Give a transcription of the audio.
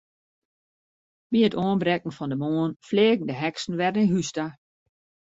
By it oanbrekken fan de moarn fleagen de heksen wer nei hús ta.